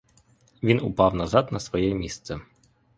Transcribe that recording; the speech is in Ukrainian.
Він упав назад на своє місце.